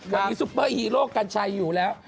วันนี้ซุปเปอร์ฮีโร่กัญชัยอยู่แล้ว